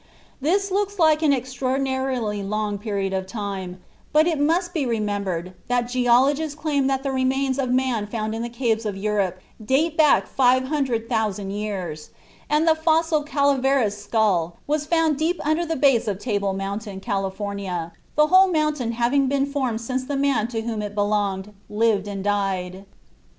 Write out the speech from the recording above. This looks like an extraordinarily long period of time, but it must be remembered that geologists claim that the remains of man found in the caves of Europe date back 500,000 years; and the fossil Calaveras skull was found deep under the base of Table Mountain, California, the whole mountain having been formed since the man to whom it belonged lived and died.